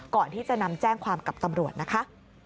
ก่อนที่จะนำแจ้งความกับตำรวจนะคะ